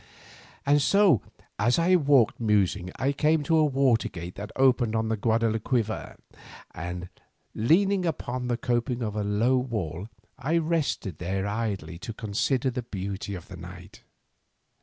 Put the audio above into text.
And so as I walked musing I came to a water gate that opened on to the Guadalquivir, and leaning upon the coping of a low wall I rested there idly to consider the beauty of the night.